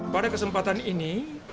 pada kesempatan ini